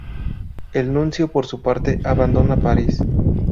El Nuncio por su parte abandona París.